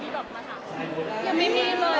หรอคะอย่าไม่มีเลย